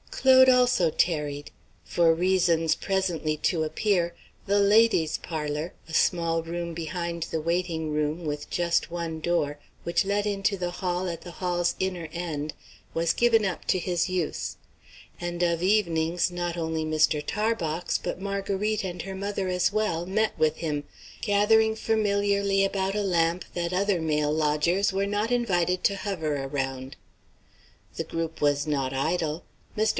Claude also tarried. For reasons presently to appear, the "ladies parlor," a small room behind the waiting room, with just one door, which let into the hall at the hall's inner end, was given up to his use; and of evenings not only Mr. Tarbox, but Marguerite and her mother as well, met with him, gathering familiarly about a lamp that other male lodgers were not invited to hover around. The group was not idle. Mr.